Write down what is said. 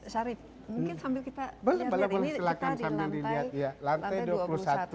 syarif mungkin sambil kita lihat